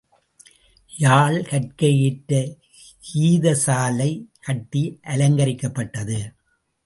யாழ் கற்க ஏற்ற கீதசாலை கட்டி அலங்கரிக்கப்பட்டது.